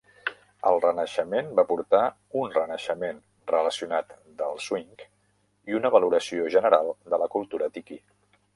El renaixement va portar un renaixement relacionat del swing i una valoració general de la cultura tiki.